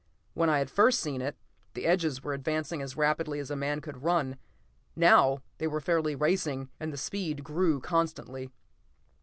When I had first seen it, the edges were advancing as rapidly as a man could run; now they were fairly racing, and the speed grew constantly.